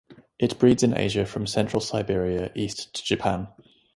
It breeds in Asia from central Siberia east to Japan.